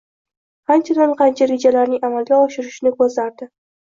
qanchadan-qancha rejalarning amalga oshirishni ko’zlardi.